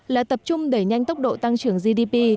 là tập trung đẩy nhanh tốc độ tăng trưởng gdp